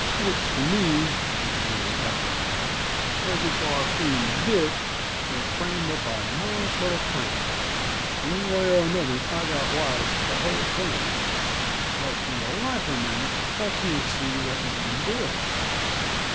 "It looks to me," he began, after a moment, "as if our friend Dick had framed up a nice little plant. One way and another I got wise to the whole thing; but for the life of me, I can't see what made him do it.